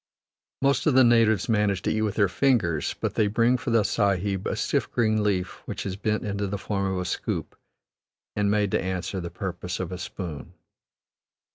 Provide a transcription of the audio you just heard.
Most of the natives manage to eat with their fingers, but they bring for the Sahib a stiff green leaf which is bent into the form of a scoop and made to answer the purpose of a spoon.